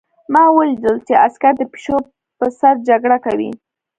ما ولیدل چې عسکر د پیشو په سر جګړه کوي